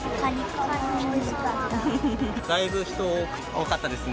だいぶ人多かったですね。